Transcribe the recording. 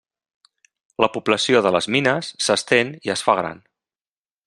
La població de les mines s'estén i es fa gran.